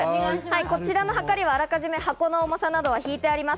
こちらのはかりは、あらかじめ箱の重さなどは引いてあります。